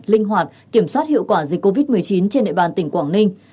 linh hoạt kiểm soát hiệu quả dịch covid một mươi chín trên địa bàn tỉnh quảng ninh